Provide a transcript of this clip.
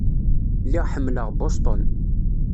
Lliɣ ḥemmleɣ Boston.